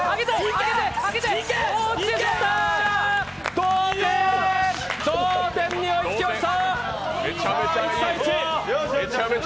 同点に追いつきました。